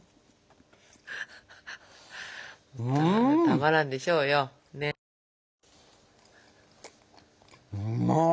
たまらんでしょうよねっ。